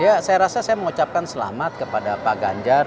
ya saya rasa saya mengucapkan selamat kepada pak ganjar